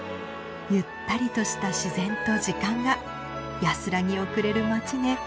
ゆったりとした自然と時間が安らぎをくれる街ね。